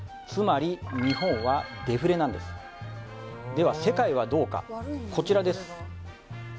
つまりでは世界はどうかこちらです